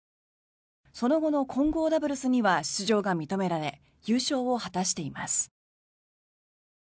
その後の混合ダブルスには出場が認められ優勝を果たしています。